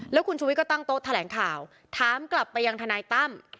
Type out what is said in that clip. แล้วคุณชุวิตก็ตั้งโต๊ะแถลงข่าวถามกลับไปยังทนายตั้ม